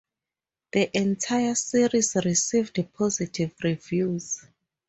The entire series received positive reviews.